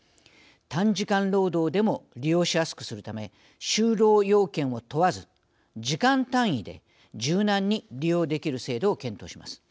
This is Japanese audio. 短時間労働でも利用しやすくするため就労要件を問わず時間単位で柔軟に利用できる制度を検討します。